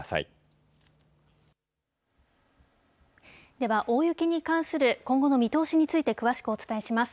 では、大雪に関する今後の見通しについて詳しくお伝えします。